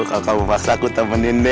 kalau kamu pas aku temenin deh